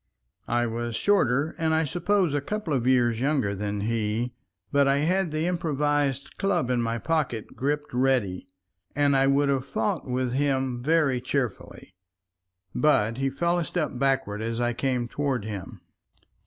I was shorter and I suppose a couple of years younger than he, but I had the improvised club in my pocket gripped ready, and I would have fought with him very cheerfully. But he fell a step backward as I came toward him.